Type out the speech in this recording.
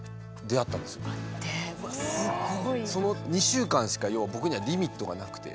その２週間しか要は僕にはリミットがなくて。